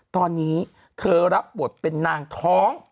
ตอนนี้เธอรับบทเป็นนางท้อง